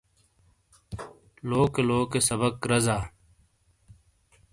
لوکے لوکے سبق رزا۔